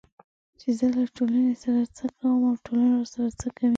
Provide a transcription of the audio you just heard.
چې زه له ټولنې سره څه کوم او ټولنه راسره څه کوي